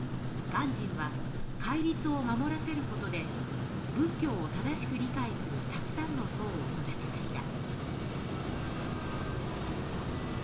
鑑真は戒律を守らせることで仏教を正しく理解するたくさんの僧を育てました。